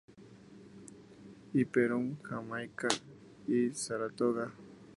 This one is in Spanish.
Imperium", "Jamaica", y "Saratoga".